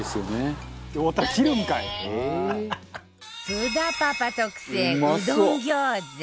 津田パパ特製うどん餃子